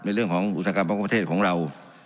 เรื่องของอุตสาหกรรมบางประเทศของเรา